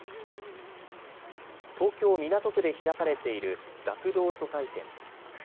東京港区で開かれている学童疎開展。